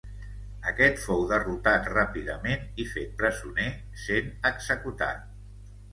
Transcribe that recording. Aquest fou derrotat ràpidament i fet presoner sent executat.